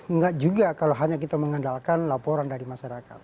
enggak juga kalau hanya kita mengandalkan laporan dari masyarakat